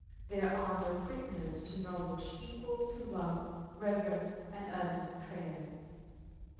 There are no quickeners to knowledge equal to love, reverence, and earnest prayer.